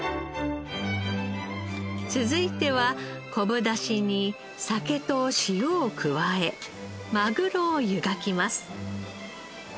続いては昆布だしに酒と塩を加えマグロを湯がきます。